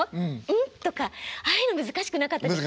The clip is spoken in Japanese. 「ん？」とかああいうの難しくなったですか？